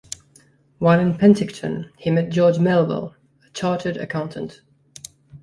While in Penticton, he met George Melville, a chartered accountant.